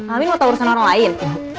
amin mau tau urusan orang lain